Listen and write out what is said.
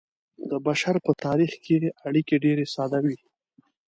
د بشر په تاریخ کې اړیکې ډیرې ساده وې.